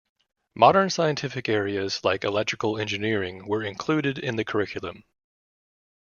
Modern scientific areas like electrical engineering were included in the curriculum.